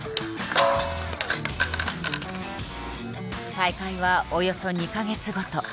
大会はおよそ２か月ごと。